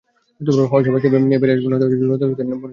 হয় সবাইকে নিয়ে বেরিয়ে আসব নয়তো লড়তে লড়তে মরে যাব।